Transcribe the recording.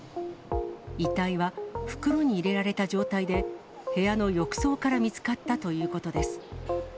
遺体は袋に入れられた状態で、部屋の浴槽から見つかったということです。